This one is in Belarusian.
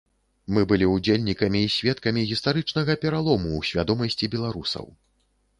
Мы былі ўдзельнікамі і сведкамі гістарычнага пералому ў свядомасці беларусаў.